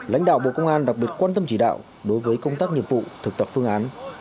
lãnh đạo bộ công an đặc biệt quan tâm chỉ đạo đối với công tác nghiệp vụ thực tập phương án